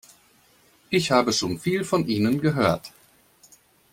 Ich habe schon viel von Ihnen gehört.